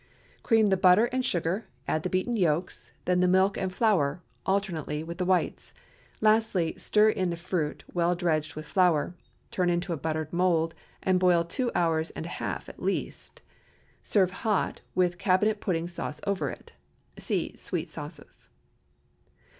Cream the butter and sugar; add the beaten yolks, then the milk and the flour, alternately, with the whites. Lastly, stir in the fruit, well dredged with flour, turn into a buttered mould, and boil two hours and a half at least. Serve hot, with cabinet pudding sauce over it. (_See Sweet Sauces.